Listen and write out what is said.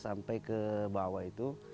sampai ke bawah itu